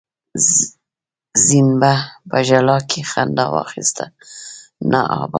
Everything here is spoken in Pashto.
زينبه په ژړا کې خندا واخيسته: نه ابا!